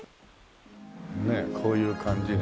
ねえこういう感じで。